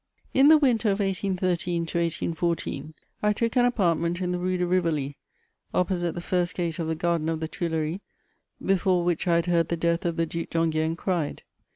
In the winter of 1813 to 1814, I took an apartment in the Rue de Rivoli, opposite the first gate of the garden of the Tuileries, before which I had heard the death of the Duc d'Enghien cried.